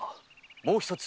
もう一つ。